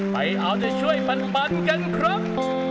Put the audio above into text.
ไปเอาใจช่วยปันกันครับ